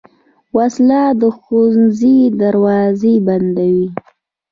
وسله د ښوونځي دروازې بندوي